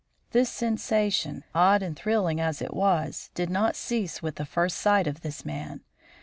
This sensation, odd and thrilling as it was, did not cease with the first sight of this man.